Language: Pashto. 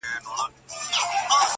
د باندي الوزي د ژمي ساړه توند بادونه؛